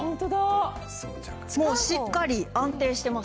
もうしっかり、安定してます